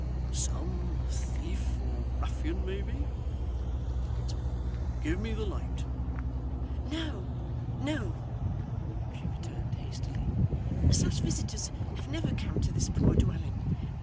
'Some thief or ruffian maybe,' said the locksmith. 'Give me the light.' 'No, no,' she returned hastily. 'Such visitors have never come to this poor dwelling.